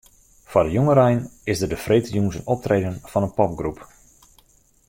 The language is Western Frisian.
Foar de jongerein is der de freedtejûns in optreden fan in popgroep.